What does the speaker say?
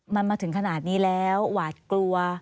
มันมาถึงขนาดนี้แล้วหวาดกลัว